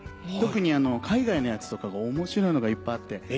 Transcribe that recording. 特に海外のやつとかが面白いのがいっぱいあって。